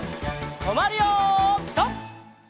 とまるよピタ！